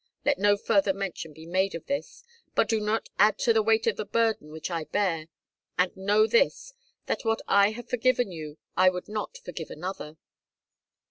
"Let no further mention be made of this. But do not add to the weight of the burden which I bear; and know this, that what I have forgiven you I would not forgive another."